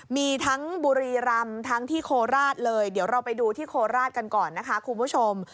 มีทั้งบุรีรำทั้งที่โคราชเลยเดี๋ยวเราไปดูที่โคราชกันก่อนนะคะคุณผู้ชม